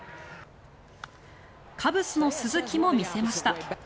カブスの鈴木も見せました。